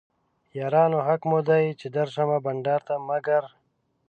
یارانو حق مو دی چې درشمه بنډار ته مګر